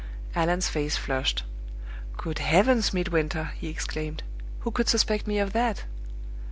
Allan's face flushed. "Good heavens, Midwinter," he exclaimed, "who could suspect me of that?"